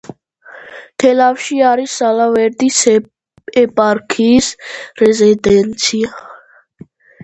თელავში არის ალავერდის ეპარქიის რეზიდენცია.